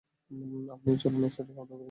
আপনিও চলুন, একসাথে খাওয়া-দাওয়া করি।